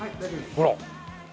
ほら。